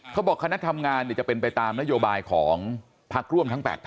คณะทำงานจะเป็นไปตามนโยบายของพักร่วมทั้ง๘พัก